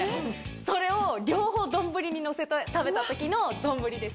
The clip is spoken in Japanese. それを両方丼にのせて食べた時の丼です。